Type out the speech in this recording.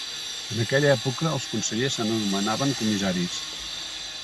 En aquella època els consellers s'anomenaven comissaris.